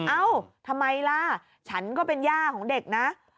เอ้าทำไมล่ะฉันก็เป็นย่าของเด็กนะ